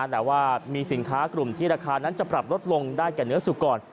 แต่ว่ามีสินค้ากลุ่มที่ราคานั้นจะปรับลดลงได้แก่เนื้อสุกร